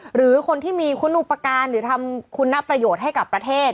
หรือคนที่มีคุณอุปการณ์หรือทำคุณประโยชน์ให้กับประเทศ